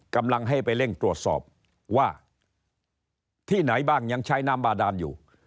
กำลังให้ไปเร่งตรวจสอบว่าที่ไหนบ้างยังใช้น้ำบาดานอยู่